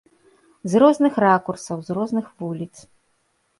З розных ракурсаў, з розных вуліц.